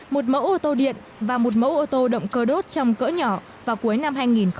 một mẫu ô tô điện và một mẫu ô tô động cơ đốt trong cỡ nhỏ vào cuối năm hai nghìn hai mươi